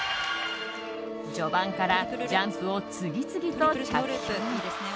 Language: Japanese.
序盤からジャンプを次々と着氷。